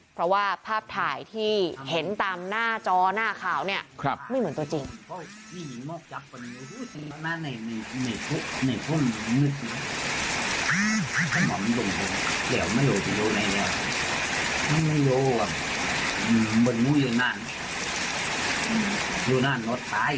เพราะว่าภาพถ่ายที่เห็นตามหน้าจอหน้าข่าวเนี่ยไม่เหมือนตัวจริง